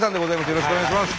よろしくお願いします。